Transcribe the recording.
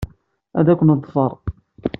Ad k-neḍfer.